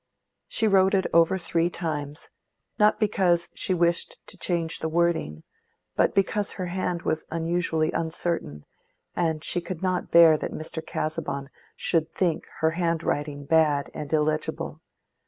She wrote it over three times, not because she wished to change the wording, but because her hand was unusually uncertain, and she could not bear that Mr. Casaubon should think her handwriting bad and illegible.